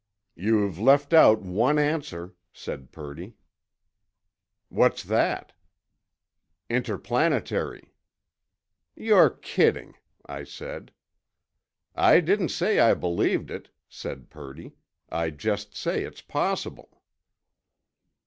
"You've left out one answer," said Purdy. "What's that?" "Interplanetary." "You're kidding!" I said. "I didn't say I believed it," said Purdy. "I just say it's possible."